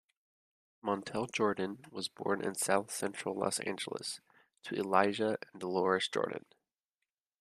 Montell Jordan was born in south central Los Angeles to Elijah and Deloris Jordan.